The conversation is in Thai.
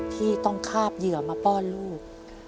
ที่ต้องคาบเหยื่อมาป้อนลูก